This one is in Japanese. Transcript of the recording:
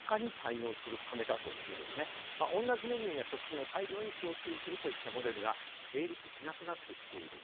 同じメニューや食品を大量に供給するといったモデルが成立しなくなってきている。